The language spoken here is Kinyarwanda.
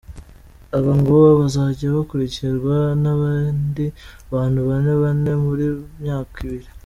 Aba ngo bazajya bakurikirwa n’abandi bantu bane bane buri myaka ibiri.